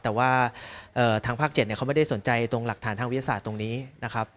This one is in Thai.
แต่ว่าทางภาค๗เขาไม่ได้สนใจตรงหลักฐานทางวิทยาศาสตร์ตรงนี้นะครับ